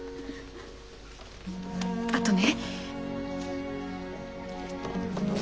あとね。